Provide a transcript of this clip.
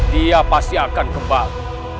dia pasti akan kembali